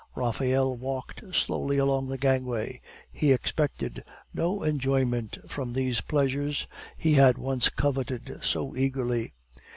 Raphael walked slowly along the gangway; he expected no enjoyment from these pleasures he had once coveted so eagerly.